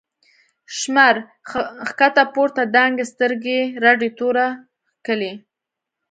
” شمر” ښکته پورته دانگی، سترگی رډی توره کښلی